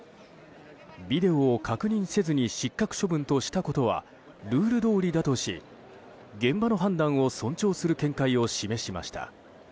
ビデオを確認せずに失格処分としたことはルールどおりだとし現場の判断を尊重する見解を示しました。